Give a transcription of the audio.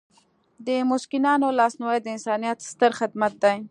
د مسکینانو لاسنیوی د انسانیت ستر خدمت دی.